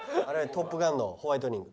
『トップガン』のホワイトニング。